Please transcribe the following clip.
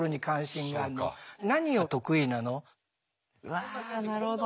わあなるほど。